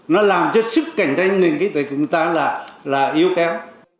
nó làm cho sức cạnh tranh nền kinh tế của chúng ta là yếu kéo